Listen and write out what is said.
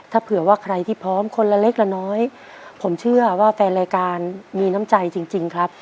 ถ้าเผื่อว่าใครที่พร้อมคนละเล็กละน้อยผมเชื่อว่าแฟนรายการมีน้ำใจจริงครับ